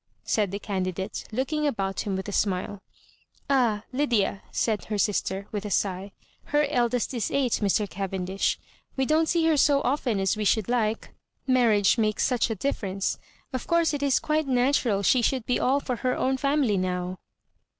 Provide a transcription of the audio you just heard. said the candidate, looking about him with a smile. '♦ Ah, Lydia," said her sister, with a sigh, •' her eldest is eight, Mr. Cavendish. We don't see her so often as we should like — marriage makes such a difference. Of course it is quite natural she should be all for her own family now."